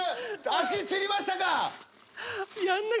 足つりましたか？